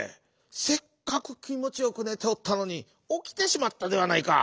せっかくきもちよくねておったのにおきてしまったではないか。